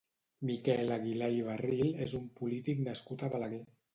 Miquel Aguilà i Barril és un polític nascut a Balaguer.